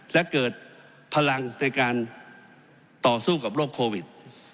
และเกิดพลังในการต่อสู้กับโรคโควิด